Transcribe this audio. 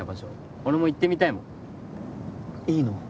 俺も行ってみたいもんいいの？